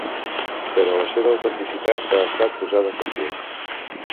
Però la seva autenticitat ha estat posada en qüestió.